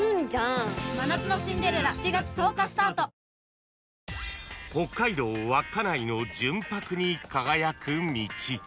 サントリー［北海道稚内の純白に輝く道］